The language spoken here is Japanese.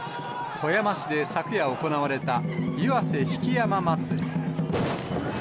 富山市で昨夜行われた、岩瀬曳山車祭。